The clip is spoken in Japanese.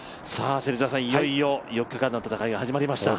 いよいよ４日間の戦い始まりました